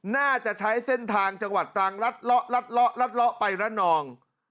น่าจะใช้เส้นทางจังหวัดตรังลัดเลาะรัดเลาะรัดเลาะไประนอง